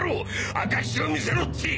証しを見せろって！